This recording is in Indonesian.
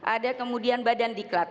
ada kemudian badan diklat